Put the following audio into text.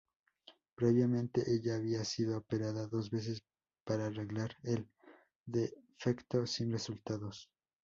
Previamente Ella había sido operada dos veces para arreglar el defecto sin resultados.